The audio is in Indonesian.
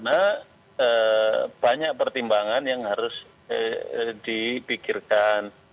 jadi ada banyak pertimbangan yang harus dipikirkan